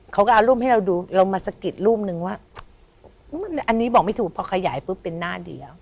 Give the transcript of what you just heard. เขาก็เอารูปให้เราดูเรามาสะกิดรูปนึงว่าอันนี้บอกไม่ถูกพอขยายปุ๊บเป็นหน้าเดียว